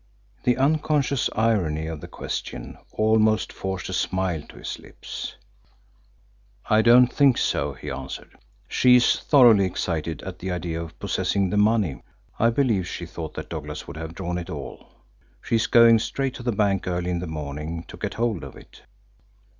The unconscious irony of the question almost forced a smile to his lips. "I don't think so," he answered. "She is thoroughly excited at the idea of possessing the money. I believe she thought that Douglas would have drawn it all. She is going straight to the bank, early in the morning, to get hold of it."